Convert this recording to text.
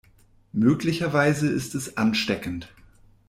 Möglicherweise ist es ansteckend.